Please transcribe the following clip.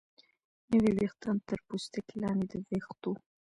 نوي ویښتان تر پوستکي لاندې د ویښتو